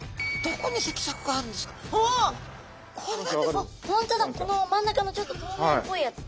この真ん中のちょっととうめいっぽいやつ。